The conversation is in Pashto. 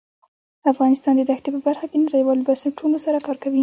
افغانستان د دښتې په برخه کې نړیوالو بنسټونو سره کار کوي.